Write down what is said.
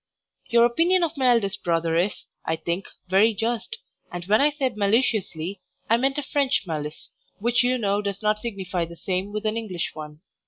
Your opinion of my eldest brother is, I think, very just, and when I said maliciously, I meant a French malice, which you know does not signify the same with an English one.